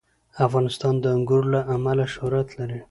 افغانستان د انګور له امله شهرت لري.